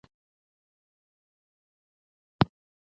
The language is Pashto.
پوهېدل د خلکو ترمنځ د هدفونو یووالی رامینځته کوي.